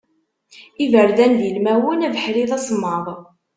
Iberdan d ilmawen, abeḥri d asemmaḍ.